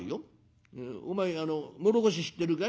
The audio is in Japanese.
お前あの唐土知ってるか？」。